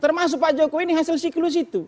termasuk pak jokowi ini hasil siklus itu